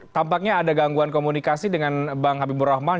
tampaknya ada gangguan komunikasi dengan bang habibur rahman